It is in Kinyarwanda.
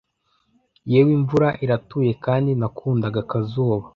Yewe imvura iratuye kandi nakundaga akazuba